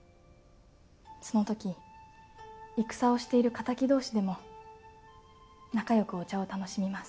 そのとき戦をしている敵どうしでも仲よくお茶を楽しみます。